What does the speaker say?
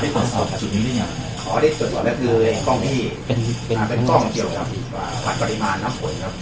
ข้อได้ตรวจสอบแล้วคือกล้องพี่เป็นกล้องเกี่ยวกับวัดกรมานน้ำผล